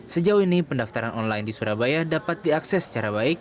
sejauh ini pendaftaran online di surabaya dapat diakses secara baik